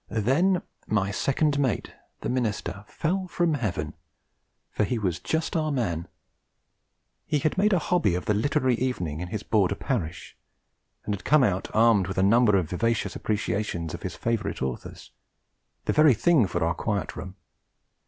Then my second mate, the minister, fell from Heaven for he was just our man. He had made a hobby of the literary evening in his Border parish; had come out armed with a number of vivacious appreciations of his favourite authors, the very thing for our Quiet Room.